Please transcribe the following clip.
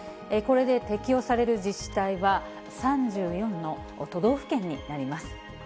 これで適用される自治体は３４の都道府県になります。